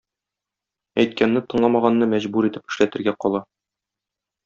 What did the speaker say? Әйткәнне тыңламаганны мәҗбүр итеп эшләтергә кала.